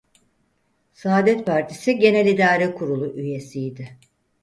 Saadet Partisi Genel İdare Kurulu Üyesiydi.